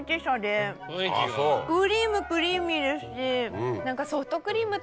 あぁそう。クリームクリーミーですし。